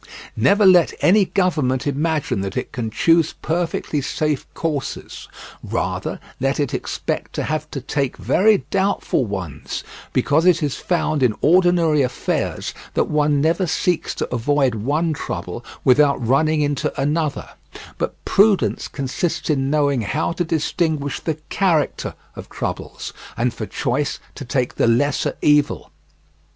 Never let any Government imagine that it can choose perfectly safe courses; rather let it expect to have to take very doubtful ones, because it is found in ordinary affairs that one never seeks to avoid one trouble without running into another; but prudence consists in knowing how to distinguish the character of troubles, and for choice to take the lesser evil.